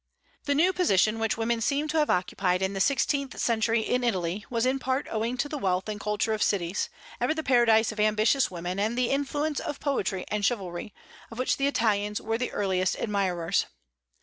The new position which women seem to have occupied in the sixteenth century in Italy, was in part owing to the wealth and culture of cities ever the paradise of ambitious women and the influence of poetry and chivalry, of which the Italians were the earliest admirers.